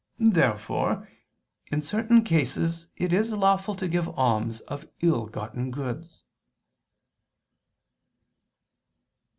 Therefore, in certain cases, it is lawful to give alms of ill gotten goods.